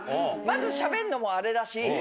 まずしゃべるのもあれだし。